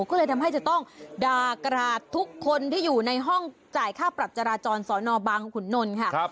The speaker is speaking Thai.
ก็เลยทำให้จะต้องด่ากราดทุกคนที่อยู่ในห้องจ่ายค่าปรับจราจรสอนอบางขุนนลค่ะ